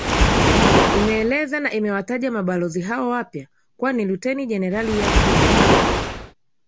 Imeeleza na imewataja mabalozi hao wapya kuwa ni Luteni Jenerali Yakub Mohamed